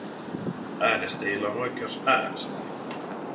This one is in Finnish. Äänestäjillä on oikeus äänestää.